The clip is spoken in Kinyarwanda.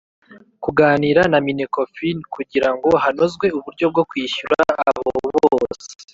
Kuganira na minecofin kugira ngo hanozwe uburyo bwo kwishyura abo bose